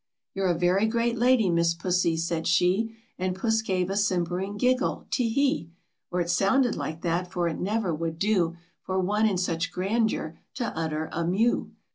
" You're a very great lady, Miss Pussy, said she; And Puss gave a simpering giggle — u Te he!" Or it sounded like that, for it never would do Por one in such grandeur to utter a Miew.